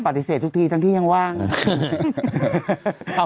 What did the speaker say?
ปฏิเสธทุกทีทั้งที่ยังว่าง